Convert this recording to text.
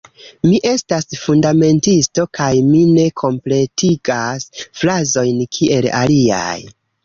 Mi estas fundamentisto kaj mi ne kompletigas frazojn kiel aliaj...